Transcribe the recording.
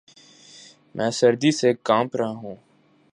میں سردی سے کانپ رہا ہوں